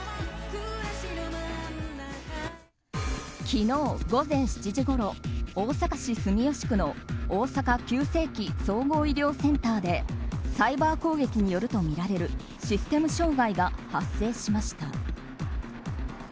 昨日、午前７時ごろ大阪市住吉区の大阪急性期総合医療センターでサイバー攻撃によるとみられるシステム障害が発生しました。